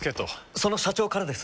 その社長からです。